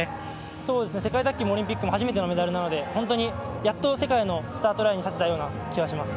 そうですね、世界卓球もオリンピックも、初めてのメダルなので、本当にやっと世界のスタートラインに立てたような気がします。